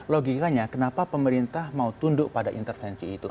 logikanya kenapa pemerintah mau tunduk pada intervensi itu